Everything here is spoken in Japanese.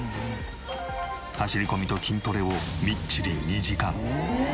走り込みと筋トレをみっちり２時間。